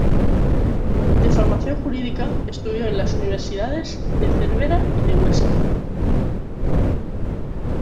De formación jurídica, estudió en las universidades de Cervera y de Huesca.